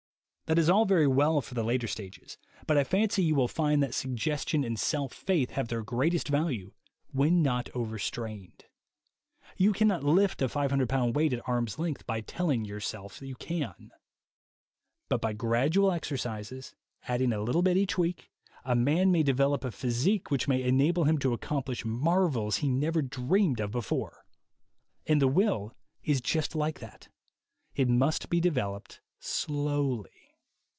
That is all very well for the later stages, but I fancy you THE WAY TO WILL POWER 61 will find that suggestion and self faith have their greatest value when not over strained. You can not lift a 500 pound weight at arm's length by tell ing yourself you can. But by gradual exercises, adding a little bit each week, a man may develop a physique which may enable him to accomplish marvels he never dreamed of before. And the will is just like that. It must be developed slowly.